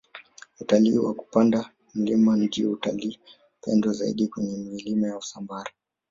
utalii wa kupanda milima ndiyo utalii pendwa zaidi kwenye milima ya usambara